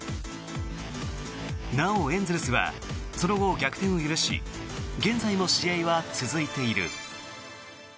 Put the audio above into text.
なおエンゼルスはその後、逆転を許し現在も試合は続いている。